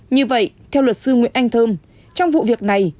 như vậy theo luật sư nguyễn anh thơm trong vụ việc này